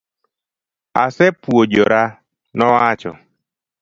Asepuojora, nowacho.